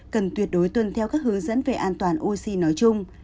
cần tuyệt đối tuân theo các hướng dẫn về an toàn oxy nói chung